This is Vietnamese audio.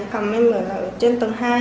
phòng em ở trên tầng hai